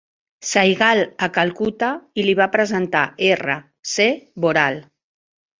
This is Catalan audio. Saigal a Calcuta i li va presentar R. C. Boral.